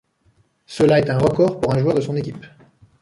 Cela est un record pour un joueur de son équipe.